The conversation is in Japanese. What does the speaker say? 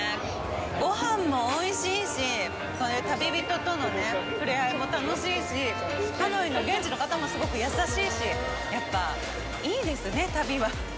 ごはんもおいしいし、旅人との触れ合いも楽しいし、ハノイの現地の方もすごく優しいし、やっぱり、いいですね、旅は。